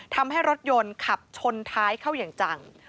ทำให้รถยนต์ขับชนท้ายเข้าอย่างจัง